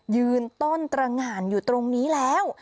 ยืนต้นตรงานอยู่ตรงนี้แล้ว